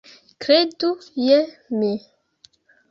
Kredu je mi.